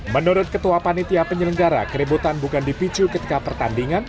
menurut ketua panitia penyelenggara keributan bukan dipicu ketika pertandingan